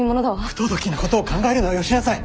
不届きなことを考えるのはよしなさい。